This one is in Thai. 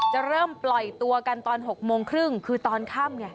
จะเริ่มปล่อยตัวกันตอน๖โมงครึ่งคือตอนค่ำไง